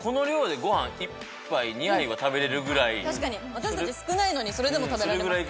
私たち少ないのにそれでも食べられますね。